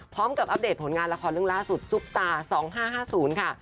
อัปเดตผลงานละครเรื่องล่าสุดซุปตา๒๕๕๐ค่ะ